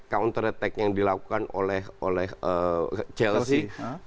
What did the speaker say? counter attack yang dilakukan oleh chelsea